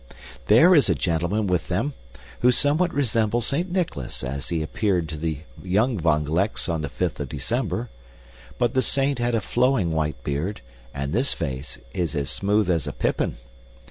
There is a gentleman with them who somewhat resembles Saint Nicholas as he appeared to the young Van Glecks on the fifth of December. But the saint had a flowing white beard, and this face is as smooth as a pippin.